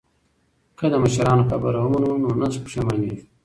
که د مشرانو خبره ومنو نو نه پښیمانیږو.